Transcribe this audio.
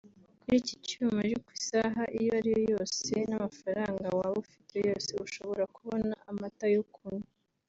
Kuri iki cyuma ariko isaha iyo ariyo yose n’amafaranga waba ufite yose ushobora kubona amata yo kunywa